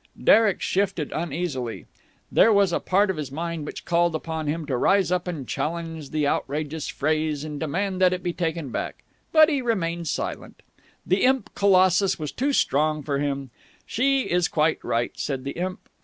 Derek shifted uneasily. There was a part of his mind which called upon him to rise up and challenge the outrageous phrase and demand that it be taken back. But he remained silent. The imp Colossus was too strong for him. She is quite right, said the imp.